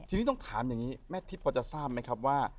ทีนี้ต้องถามอย่างนี้แม่ทิพย์พอจะทราบไหมครับว่า